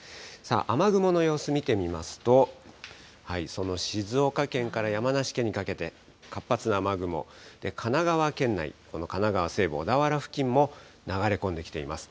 雨雲の様子見てみますと、その静岡県から山梨県にかけて活発な雨雲、神奈川県内、この神奈川西部、小田原付近も流れ込んできています。